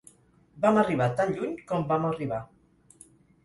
Vam arribar tan lluny com vam arribar.